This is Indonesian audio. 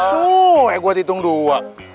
suuwee gue ditung dua